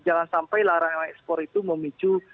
jangan sampai larangan ekspor itu memicu